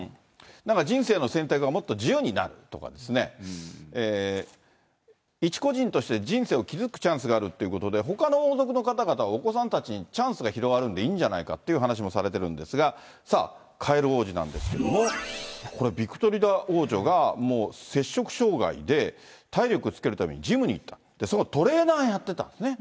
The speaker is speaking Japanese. なんか人生の選択がもっと自由になるとかですね、一個人として人生を築くチャンスがあるっていうことで、ほかの王族の方々はお子さんたちにチャンスが広がるんで、いいんじゃないかっていう話もされてるんですが、さあ、カエル王子なんですけれども、これ、ビクトリア王女がもう摂食障害で体力つけるためにジムに行った、そのトレーナーをやってたんですね。